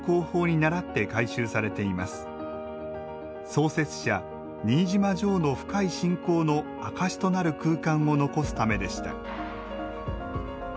創設者・新島襄の深い信仰の証しとなる空間を残すためでした